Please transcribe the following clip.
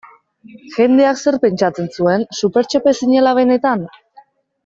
Jendeak zer pentsatzen zuen, Supertxope zinela benetan?